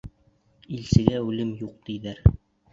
Илсегә үлем юҡ тиҙәр.